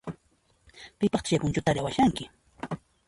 Pipaqtaq chay punchutari awashanki?